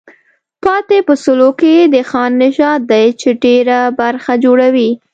پاتې په سلو کې د خان نژاد دی چې ډېره برخه جوړوي.